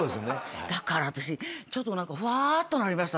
だから私ちょっとふわーっとなりました